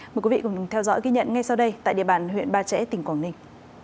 mời quý vị cùng theo dõi ghi nhận ngay sau đây tại địa bàn huyện ba trẻ tỉnh quảng ninh